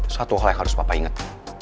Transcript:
satu hal yang harus papa inget